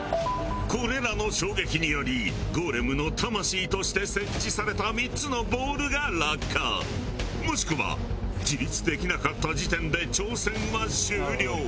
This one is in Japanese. これらの衝撃によりゴーレムの魂として設置された３つのボールが落下もしくは自立できなかった時点で挑戦は終了。